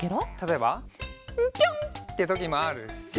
「ウッピョン！」ってときもあるし。